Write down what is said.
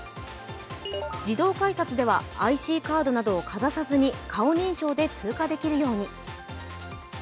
自動改札ではＩＣカードなどをかざさずに顔認証で通過できるように。